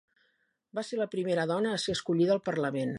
Va ser la primera dona a ser escollida al parlament.